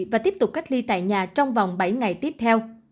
và tiếp tục cách ly tại nhà trong vòng bảy ngày tiếp theo